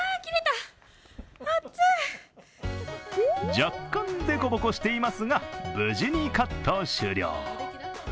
若干凸凹していますが無事にカット終了。